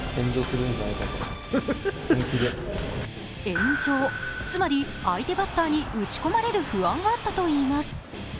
炎上、つまり相手バッターに打ち込まれる不安があったといいます。